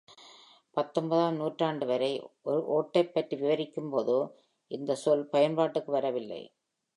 பத்தொன்பதாம் நூற்றாண்டு வரை ஓட்டைப் பற்றி விவரிக்கும் போது இந்த சொல் பயன்பாட்டுக்கு வரவில்லை.